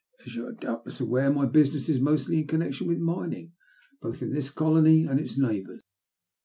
" As you are doubtless aware, my business is mostly in connection with mining, both in this colony and its neighbours.